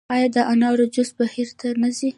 آیا د انارو جوس بهر ته ځي؟